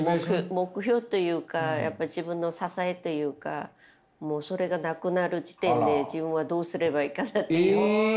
目標というかやっぱ自分の支えというかもうそれがなくなる時点で自分はどうすればいいかなと。え！